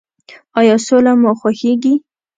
ایا سوله مو خوښیږي؟